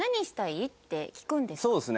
そうですね。